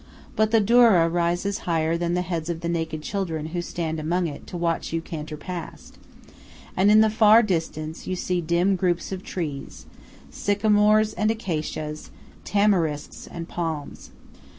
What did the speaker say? But the doura rises higher than the heads of the naked children who stand among it to watch you canter past. And in the far distance you see dim groups of trees sycamores and acacias, tamarisks and palms.